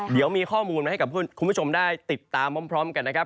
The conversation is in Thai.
เดี๋ยวมีข้อมูลมาให้กับคุณผู้ชมได้ติดตามพร้อมกันนะครับ